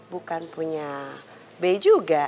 bukan punya be juga